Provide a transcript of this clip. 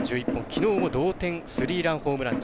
きのうも同点スリーランホームラン。